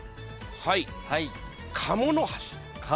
はい。